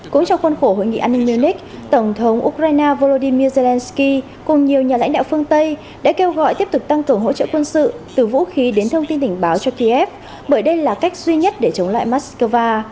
cũng trong khuôn khổ hội nghị anni munich tổng thống ukraine volodymyr zelenskyy cùng nhiều nhà lãnh đạo phương tây đã kêu gọi tiếp tục tăng tưởng hỗ trợ quân sự từ vũ khí đến thông tin tỉnh báo cho kiev bởi đây là cách duy nhất để chống lại moskva